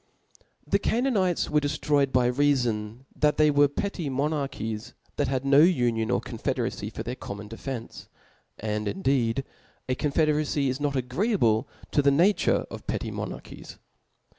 HP H E Canaanites were deftroyed, by reafbn "■' they were petty monarchies, that had no uni on nor confederacy for their common defence : And indeed, a confederacy is not agreeable to the na ture of petty monarchies.